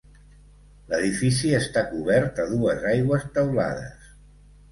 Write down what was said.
L'edifici està cobert a dues aigües teulades.